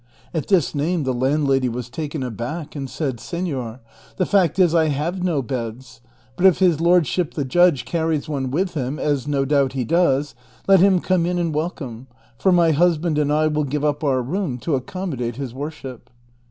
At this name the landlady was taken aback, and said, " Senor, the fact is I have no beds ; but if his lordship the judge carries one with him, as no doubt he does, let him come in and wel come ; for my husband and I will give up our room to accom modate his worship."